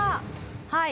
はい。